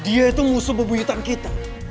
dia itu musuh bebuyutan kita